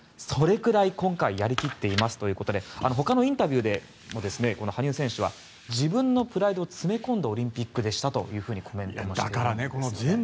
それくらい今回やり切っていますということでほかのインタビューでもこの羽生選手は自分のプライドを詰め込んだオリンピックでしたとコメントしているんです。